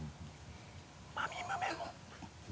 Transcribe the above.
まみむめも。